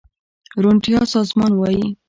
روڼتيا سازمان وايي